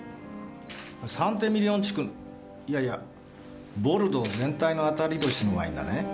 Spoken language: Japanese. サンテミリオン地区のいやいやボルドー全体の当たり年のワインだね。